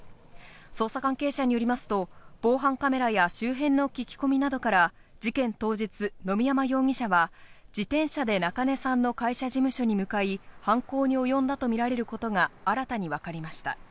捜査関係者によりますと防犯カメラや周辺の聞き込みなどから事件当日、野見山容疑者は自転車で中根さんの会社事務所に向かい、犯行におよんだとみられることが新たに分かりました。